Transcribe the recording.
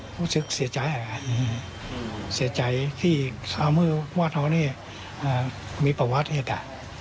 รู้สึกเสียใจค่ะเสียใจที่ข้ามือวัดเขาเนี่ยมีประวัติเนี่ยค่ะ